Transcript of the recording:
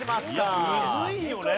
いやむずいよね。